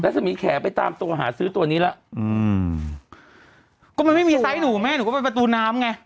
สมีแขไปตามตัวหาซื้อตัวนี้แล้วอืมก็มันไม่มีไซส์หนูแม่หนูก็เป็นประตูน้ำไง